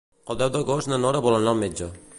El deu d'agost na Nora vol anar al metge.